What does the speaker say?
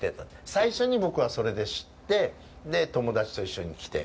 最初に、僕はそれで知って友達と一緒に来て。